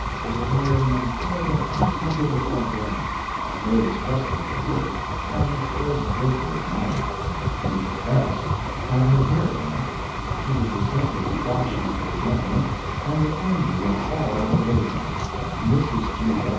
was attired in an elegant pâté de foie gras, made expressly for her, and was greatly admired. Miss S. had her hair done up. She was the center of attraction for the gentlemen and the envy of all the ladies. Mrs.